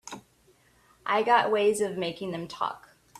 I got ways of making them talk.